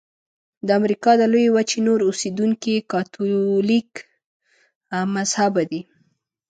د امریکا د لویې وچې نور اوسیدونکي کاتولیک مذهبه دي.